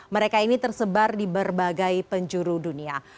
mereka ini tersebar di berbagai penjuru dunia